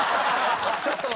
ちょっと。